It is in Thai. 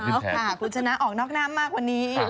คุณชนะออกนอกหน้ามากว่านี้